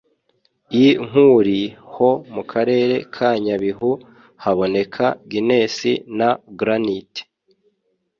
i Nkuli ho mu Karere ka Nyabihu haboneka Guiness na Granite